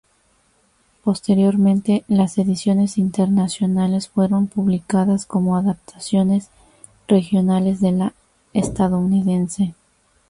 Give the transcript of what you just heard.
Posteriormente, las ediciones internacionales fueron publicadas como adaptaciones regionales de la estadounidense.